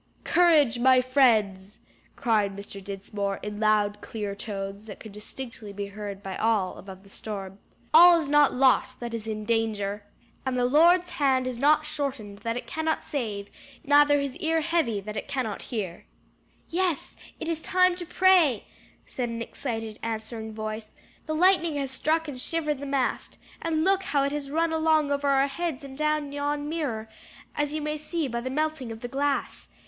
"Courage, my friends!" cried Mr. Dinsmore in loud clear tones, that could be distinctly heard by all, above the storm. "All is not lost that is in danger; and the 'Lord's hand is not shortened that it cannot save; neither his ear heavy that it cannot hear.'" "Yes, it is time to pray," said an excited, answering voice; "the lightning has struck and shivered the mast; and look how it has run along over our heads and down yon mirror; as you may see by the melting of the glass.